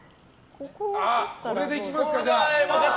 これでいきますか、じゃあ！